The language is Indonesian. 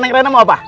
neng rena mau apa